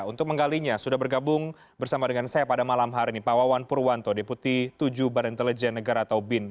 untuk menggalinya sudah bergabung bersama dengan saya pada malam hari ini pak wawan purwanto deputi tujuh badan intelijen negara atau bin